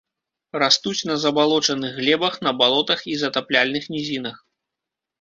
Растуць на забалочаных глебах, на балотах і затапляльных нізінах.